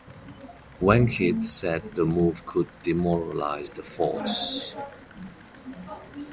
Wankhede said the move could demoralise the force.